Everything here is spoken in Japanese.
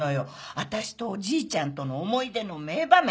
私とおじいちゃんとの思い出の名場面